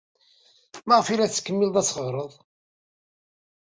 Maɣef ay la tettkemmiled teɣɣared?